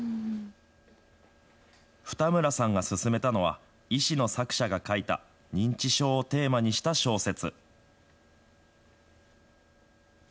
二村さんが薦めたのは医師の作者が書いた認知症をテーマにした小説。